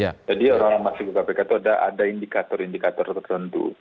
jadi orang orang nasruddin ke kpk itu ada indikator indikator tertentu